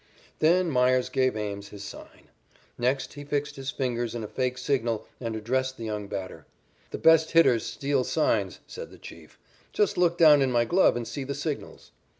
Then Meyers gave Ames his sign. Next he fixed his fingers in a fake signal and addressed the young batter. "The best hitters steal signs," said the "Chief." "Just look down in my glove and see the signals."